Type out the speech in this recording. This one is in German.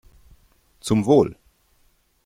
Zum Wohl!